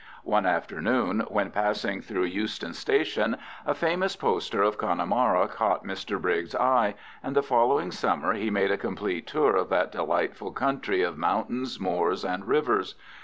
One afternoon, when passing through Euston Station, a famous poster of Connemara caught Mr Briggs' eye, and the following summer he made a complete tour of that delightful country of mountains, moors, and rivers.